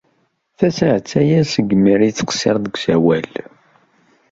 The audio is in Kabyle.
Tasaɛet aya seg mi ay la yettqeṣṣir deg usawal.